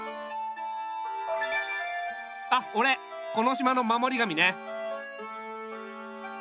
あっおれこの島の守り神ね。